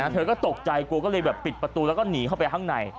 เธอก็ตกใจกลัวก็เลยแบบปิดประตูแล้วก็หนีเข้าไปข้างใน